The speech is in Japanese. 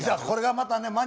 これがまたね